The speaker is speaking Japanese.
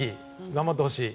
頑張ってほしい。